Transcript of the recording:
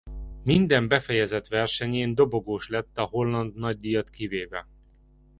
Minden befejezett versenyén dobogós lett a holland nagydíjat kivéve.